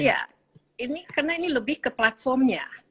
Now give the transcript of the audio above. iya ini karena ini lebih ke platformnya